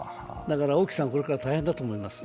王毅さん、これから大変だと思います。